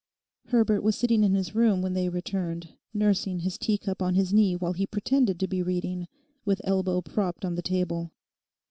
Herbert was sitting in his room when they returned, nursing his teacup on his knee while he pretended to be reading, with elbow propped on the table.